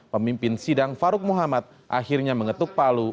pemimpin sidang farouk muhammad akhirnya mengetuk palu